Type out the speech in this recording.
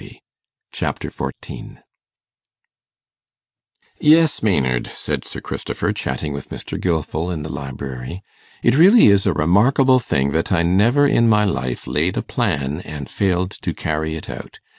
Chapter 14 'Yes, Maynard,' said Sir Christopher, chatting with Mr. Gilfil in the library, 'it really is a remarkable thing that I never in my life laid a plan, and failed to carry it out.